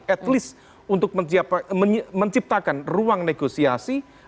at least untuk menciptakan ruang negosiasi